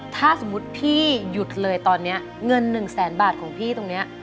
ถ้าสมมุติพี่หยุดเลยตอนนี้เงิน๑แสนบาทของพี่ตรงนี้